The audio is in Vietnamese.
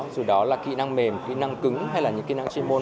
dù đó là kỹ năng mềm kỹ năng cứng hay là những kỹ năng chuyên môn